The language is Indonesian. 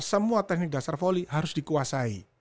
semua teknik dasar volley harus dikuasai